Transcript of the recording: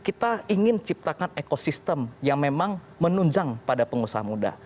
kita ingin ciptakan ekosistem yang memang menunjang pada pengusaha muda